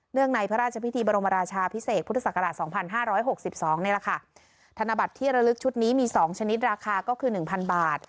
ในพระราชพิธีบรมราชาพิเศษพุทธศักราชสองพันห้าร้อยหกสิบสองนี่แหละค่ะธนบัตรที่ระลึกชุดนี้มี๒ชนิดราคาก็คือหนึ่งพันบาท